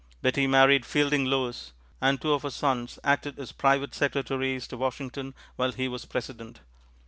Betty married Fielding Lewis, and two of her sons acted as private secretaries to Washington while he was President.